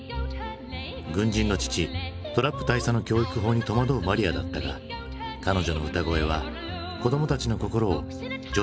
軍人の父トラップ大佐の教育法に戸惑うマリアだったが彼女の歌声は子供たちの心を徐々に開いていく。